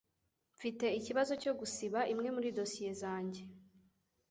Mfite ikibazo cyo gusiba imwe muri dosiye zanjye